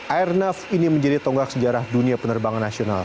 airnav ini menjadi tonggak sejarah dunia penerbangan nasional